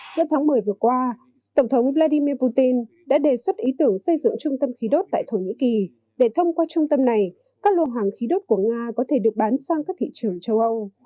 giữa tháng một mươi vừa qua tổng thống vladimir putin đã đề xuất ý tưởng xây dựng trung tâm khí đốt tại thổ nhĩ kỳ để thông qua trung tâm này các lô hàng khí đốt của nga có thể được bán sang các thị trường châu âu